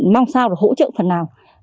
mong sao để hỗ trợ phần nào